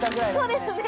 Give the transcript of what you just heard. ◆そうですね。